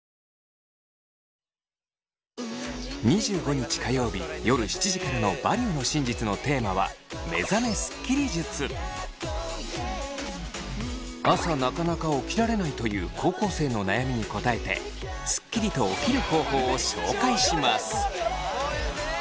２５日火曜日夜７時からの「バリューの真実」のテーマはという高校生の悩みに応えてスッキリと起きる方法を紹介します。